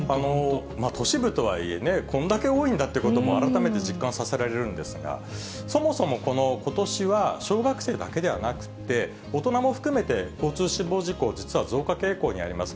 都市部とはいえね、こんだけ多いんだっていうことも改めて実感させられるんですが、そもそもことしは、小学生だけではなくて、大人も含めて、交通死亡事故、実は増加傾向にあります。